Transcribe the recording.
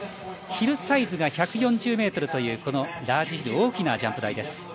ヒルサイズが１４０ｍというこのラージヒル大きなジャンプ台です。